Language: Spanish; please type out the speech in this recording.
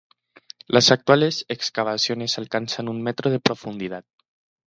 Las actuales excavaciones alcanzan un metro de profundidad.